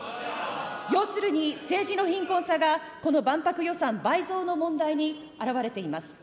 要するに、政治の貧困さがこの万博予算倍増の問題に表れています。